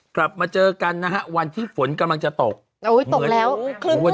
กลับมาเจอกันนะฮะวันที่ฝนกำลังจะตกโอ้ยตกแล้ว